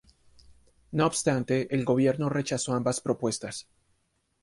No obstante, el Gobierno rechazó ambas propuestas.